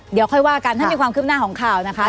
เดี๋ยวค่อยว่ากันถ้ามีความคืบหน้าของข่าวนะคะ